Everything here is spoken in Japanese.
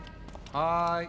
はい。